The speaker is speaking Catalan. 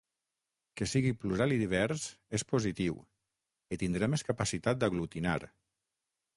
Que sigui plural i divers és positiu i tindrà més capacitat d’aglutinar.